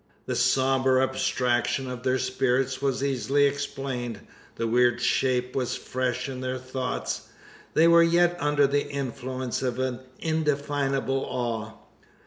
The sombre abstraction of their spirits was easily explained. The weird shape was fresh in their thoughts. They were yet under the influence of an indefinable awe.